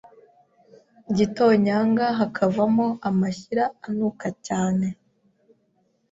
gitonyanga hakavamo amashyira anuka cyane